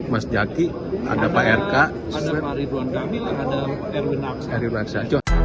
mas jaki ada pak rk ada pak ridwan dami ada pak erwin aksa